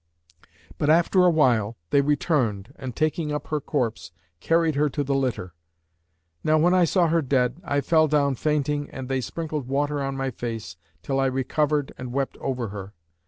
But after awhile they returned and taking up her corpse carried her to the litter. Now when I saw her dead, I fell down fainting and they sprinkled water on my face, till I recovered and wept over her.